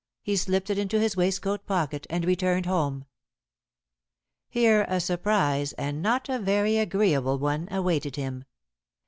he slipped it into his waistcoat pocket and returned home. Here a surprise, and not a very agreeable one, awaited him.